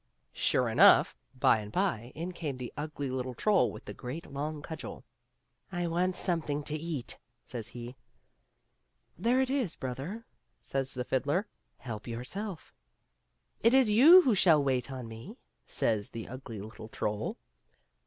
Sure enough, by and by in came the ugly little troll with the great long cudgel. " I want something to eat," says he. " There it is, brother," says the fiddler, " help yourself." " It is you who shall wait on me," says the ugly little troll.